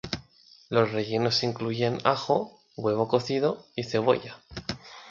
Los rellenos incluyen ajo, huevo cocido y cebolla.